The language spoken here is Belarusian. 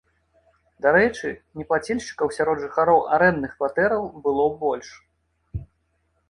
Дарэчы, неплацельшчыкаў сярод жыхароў арэндных кватэраў было больш.